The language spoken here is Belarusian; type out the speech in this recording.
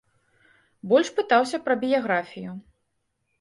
Больш пытаўся пра біяграфію.